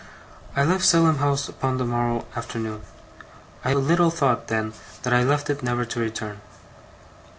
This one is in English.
I left Salem House upon the morrow afternoon. I little thought then that I left it, never to return.